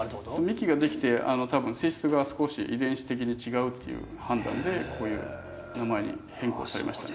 幹ができて多分性質が少し遺伝子的に違うっていう判断でこういう名前に変更されました。